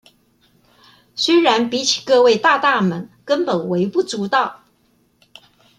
雖然比起各位大大們根本微不足道